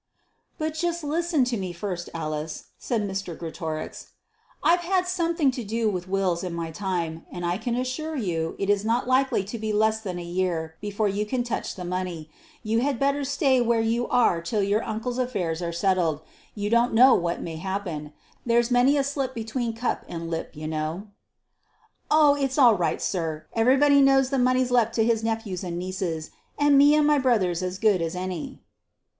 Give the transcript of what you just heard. "But just listen to me first, Alice," said Mr. Greatorex. "I've had something to do with wills in my time, and I can assure you it is not likely to be less than a year before you can touch the money. You had much better stay where you are till your uncle's affairs are settled. You don't know what may happen. There's many a slip between cup and lip, you know." "Oh! it's all right, sir. Everybody knows the money's left to his nephews and nieces, and me and my brother's as good as any."